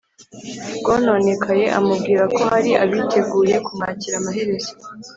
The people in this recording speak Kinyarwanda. rwononekaye, amubwira ko hari abiteguye kumwakira. amaherezo